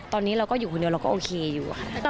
ตอนนี้เราก็อยู่คนเดียวเราก็โอเคอยู่